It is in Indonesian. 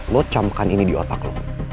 lo camkan ini di otak lo